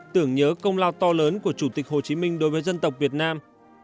tưởng nhớ công lao to lớn của chủ tịch hồ chí minh đối với dân tộc việt nam